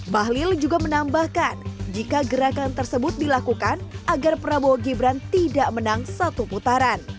bahlil juga menambahkan jika gerakan tersebut dilakukan agar prabowo gibran tidak menang satu putaran